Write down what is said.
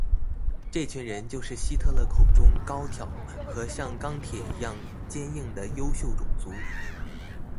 这群人就是希特勒口中高挑和像钢铁一样坚硬的优秀种族。